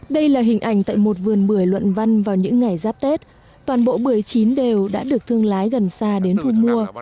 đây là hình ảnh tại một vườn bưởi luận văn vào những ngày giáp tết toàn bộ bưởi chín đều đã được thương lái gần xa đến thu mua